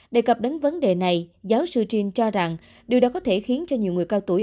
đề cập đến vấn đề này giáo sư trin cho rằng điều đó có thể khiến cho nhiều người cao tuổi